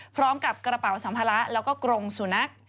พร้อมกับกระเป๋าสัมภาระแล้วก็กรงสุนัข